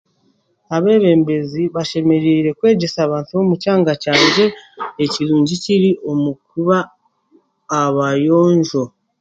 Abeebembezi bashemereire kwegyesa abantu b'omu kyanga kyangye ekiringi ekiri omu kuba abayonjo.